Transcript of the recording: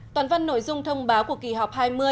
toàn văn nội dung thông báo của kỳ họp hai mươi